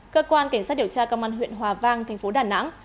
cơ quan kiểm soát điều tra công an huyện hòa vang tp đà nẵng